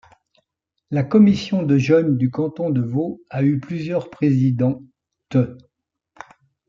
La Commission de jeunes du canton de Vaud a eu plusieurs Président-e-s.